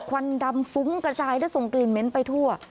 ควันดำฟุ้งกระจายและส่งกลิ่นเหม็นไปทั่ว